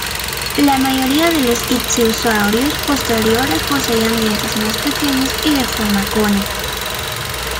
La mayoría de los ictiosaurios posteriores poseían dientes más pequeños y de forma cónica.